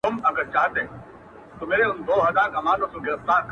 په کوم کلي کي پېریانانو -